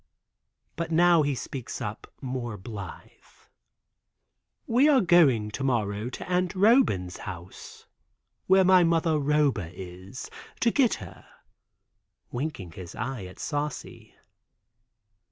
But now he speaks up more blithe. "We are going to morrow to Aunt Roban's house, where my mother Roba is, to get her," winking his eye at Saucy.